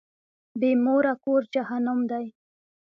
بی موره کور جهنم دی.